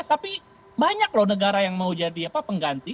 tapi banyak loh negara yang mau jadi pengganti